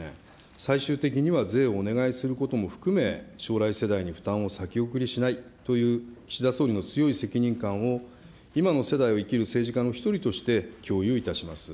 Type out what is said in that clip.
最終的には税をお願いすることも含め、将来世代に負担を先送りしないという岸田総理の強い責任感を今の世代を生きる政治家の一人として共有いたします。